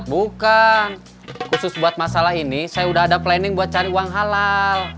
bukan khusus buat masalah ini saya udah ada planning buat cari uang halal